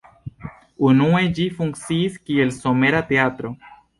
Unue ĝi funkciis kiel somera teatro.